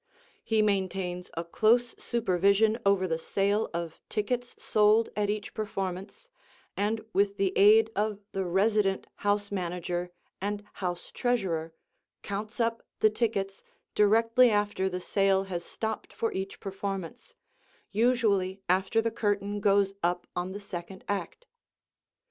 He maintains a close supervision over the sale of tickets sold at each performance and with the aid of the resident house manager and house treasurer "counts up" the tickets directly after the sale has stopped for each performance, usually after the curtain goes up on the second act.